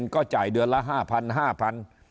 ก็จ่ายเดือนละ๕๐๐๕๐๐บาท